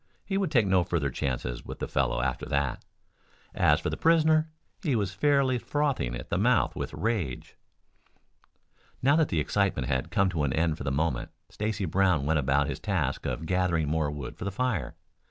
He would take no further chances with the fellow after that. As for the prisoner, he was fairly frothing at the mouth with rage. Now that the excitement had come to an end for the moment Stacy Brown went about his task of gathering more wood for the fire.